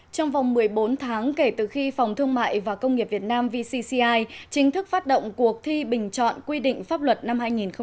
trong vòng một mươi bốn tháng kể từ khi phòng thương mại và công nghiệp việt nam vcci chính thức phát động cuộc thi bình chọn quy định pháp luật năm hai nghìn một mươi chín